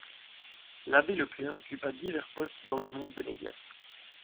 L'abbé Leclerc occupa divers postes dans le monde des médias.